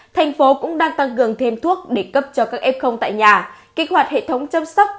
thành phố cũng đang tăng cường thêm thuốc để cấp cho các f tại nhà kích hoạt hệ thống chăm sóc